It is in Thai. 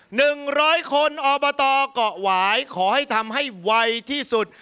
หนึ่งร้อยคนอบตเกาะหวายขอให้ทำให้ไวที่สุด